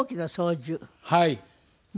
はい。